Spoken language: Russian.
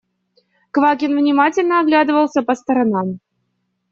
Квакин внимательно оглядывался по сторонам.